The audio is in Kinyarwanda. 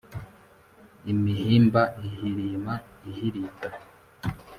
imihimba ihirima ihirita